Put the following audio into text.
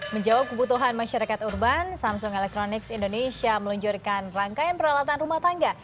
menjawab kebutuhan masyarakat urban samsung electronics indonesia meluncurkan rangkaian peralatan rumah tangga